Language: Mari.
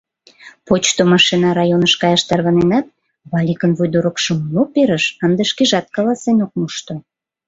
Почто машина районыш каяш тарваненат, Валикын вуйдорыкшым мо перыш — ынде шкежат каласен ок мошто.